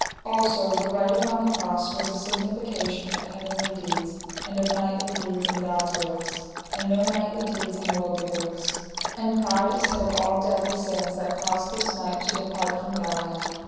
Also, the writing on the cross was a signification of heavenly deeds, and of knightly deeds in God's works, and no knightly deeds in worldly works. And pride is head of all deadly sins, that caused this knight to depart from Galahad.